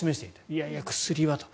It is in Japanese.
いやいや、薬はと。